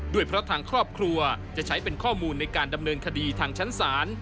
ด้วยเพราะทางครอบครัวจะใช้เป็นข้อมูลในการดำเนินคดีทางชั้นศาล